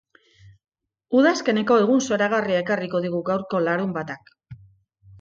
Udazkeneko egun zoragarria ekarriko digu gaurko larunbatak.